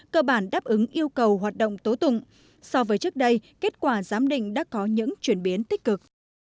cơ bản đáp ứng yêu cầu hoạt động tố tụng so với trước đây kết quả giám định đã có những chuyển biến tích cực